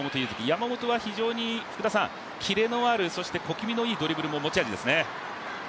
山本は非常にキレのある、小気味のいいドリブルも持ち味ですね。